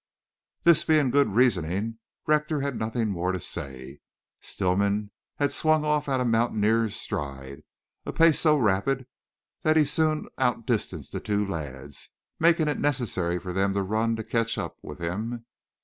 This being good reasoning Rector had nothing more to say. Stillman had swung off at a mountaineer's stride, a pace so rapid that he soon outdistanced the two lads, making it necessary for them to run to catch up with him.